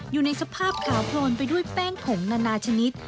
อยู่ในสภาพขาวโพลนไปด้วยแป้งผงนานาชนิด